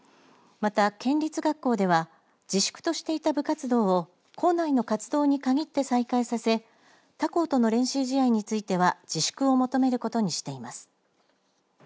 また、県立学校では自粛としていた部活動を校内の活動にかぎって再開させ他校との練習試合については自粛を求めることにしています。